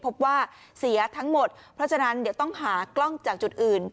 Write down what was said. พบว่าเสียทั้งหมดเพราะฉะนั้นเดี๋ยวต้องหากล้องจากจุดอื่น